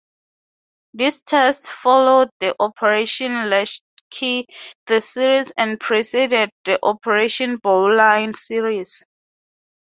These tests followed the "Operation Latchkey" series and preceded the "Operation Bowline" series.